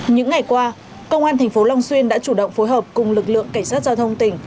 những ngày qua công an thành phố long xuyên đã chủ động phối hợp cùng lực lượng cảnh sát giao thông tỉnh